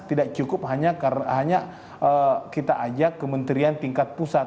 tidak cukup hanya kita ajak kementerian tingkat pusat